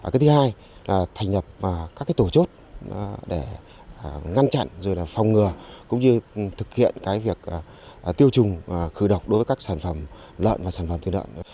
cái thứ hai là thành lập các tổ chốt để ngăn chặn phòng ngừa cũng như thực hiện việc tiêu chùng khử độc đối với các sản phẩm lợn và sản phẩm tư lợn